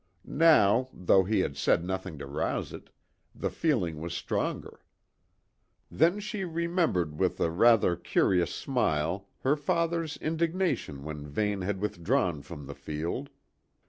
Now, though he had said nothing to rouse it, the feeling was stronger. Then she remembered with a rather curious smile her father's indignation when Vane had withdrawn from the field.